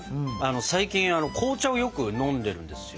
最近紅茶をよく飲んでるんですよ。